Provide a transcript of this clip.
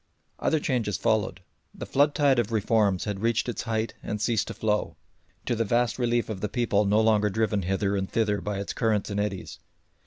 Other changes followed. The flood tide of reforms had reached its height and ceased to flow, to the vast relief of the people no longer driven hither and thither by its currents and eddies.